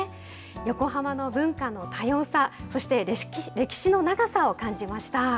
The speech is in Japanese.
横浜の文化の多様さ、そして歴史の長さを感じました。